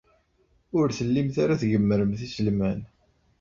Ur tellimt ara tgemmremt iselman.